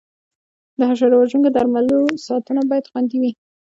د حشره وژونکو درملو ساتنه باید خوندي وي.